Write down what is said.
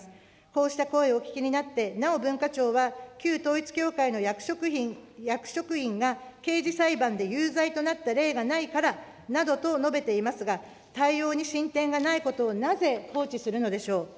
こうした声をお聞きになって、なお、文化庁は、旧統一教会の役職員が刑事裁判で有罪となった例がないから、などと述べていますが、対応に進展がないことを、なぜ放置するのでしょう。